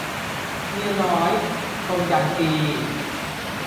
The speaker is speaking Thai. เมียน้อย - ทมยันตี